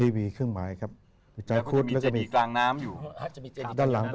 มีมีเครื่องหมายครับ